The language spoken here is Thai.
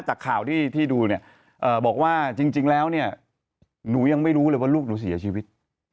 จากข่าวที่ดูเนี่ยบอกว่าจริงแล้วเนี่ยหนูยังไม่รู้เลยว่าลูกหนูเสียชีวิต